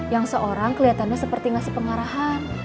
yang seorang kelihatannya seperti ngasih pengarahan